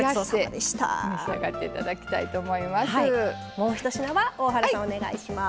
もう一品は大原さんお願いします。